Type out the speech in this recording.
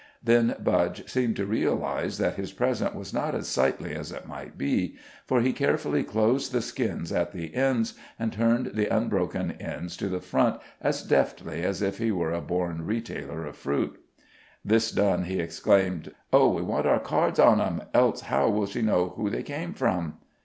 Then Budge seemed to realize that his present was not as sightly as it might be, for he carefully closed the skins at the ends, and turned the unbroken ends to the front as deftly as if he were a born retailer of fruit. This done, he exclaimed: "Oh! we want our cards on em, else how will she know who they came from?"